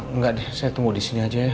enggak saya tunggu di sini aja ya